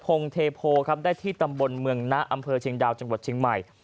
งเทโพครับได้ที่ตำบลเมืองนะอำเภอเชียงดาวจังหวัดเชียงใหม่